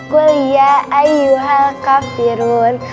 kulia ayuhal kafirun